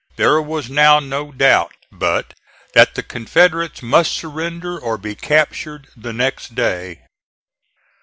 There was now no doubt but that the Confederates must surrender or be captured the next day.